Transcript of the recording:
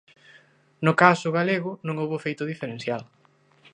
No caso galego non houbo feito diferencial.